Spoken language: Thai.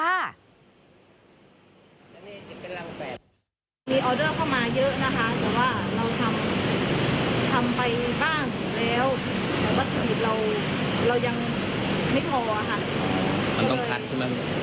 มีออเดอร์เข้ามาเยอะนะคะแต่ว่าเราทำไปบ้างแล้ว